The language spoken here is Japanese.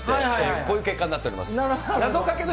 こういう結果になっております。